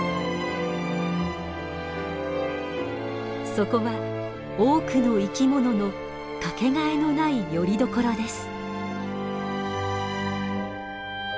そこは多くの生き物の掛けがえのないよりどころです。